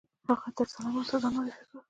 هغه تر سلام وروسته ځان معرفي کړ.